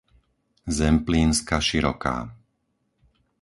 Zemplínska Široká